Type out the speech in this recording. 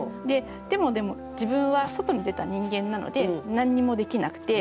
ででもでも自分は外に出た人間なので何にもできなくて。